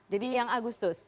jadi yang agustus